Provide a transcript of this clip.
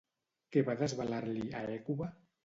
Què va desvelar-li a Hècuba?